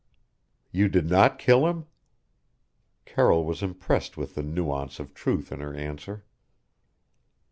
"You did not kill him?" Carroll was impressed with the nuance of truth in her answer.